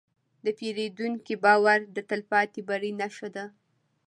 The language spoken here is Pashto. د پیرودونکي باور د تلپاتې بری نښه ده.